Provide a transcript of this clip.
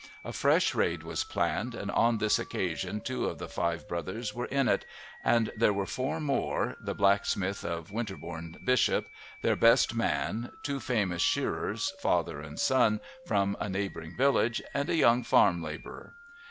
A fresh raid was planned, and on this occasion two of the five brothers were in it, and there were four more, the blacksmith of Winterbourne Bishop, their best man, two famous shearers, father and son, from a neighbouring village, and a young farm labourer.